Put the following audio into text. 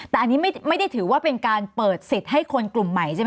แต่อันนี้ไม่ได้ถือว่าเป็นการเปิดสิทธิ์ให้คนกลุ่มใหม่ใช่ไหม